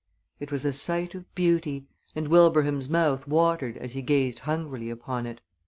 It was a sight of beauty, and Wilbraham's mouth watered as he gazed hungrily upon it.